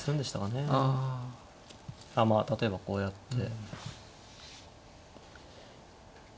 まあ例えばこうやって。